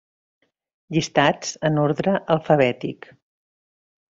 Llistats en ordre alfabètic.